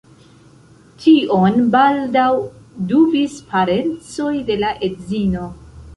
Tion baldaŭ dubis parencoj de la edzino.